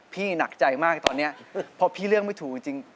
หนักใจมากตอนนี้เพราะพี่เรื่องไม่ถูกจริง